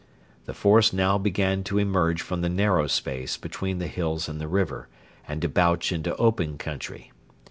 The force now began to emerge from the narrow space between the hills and the river, and debouch into open country.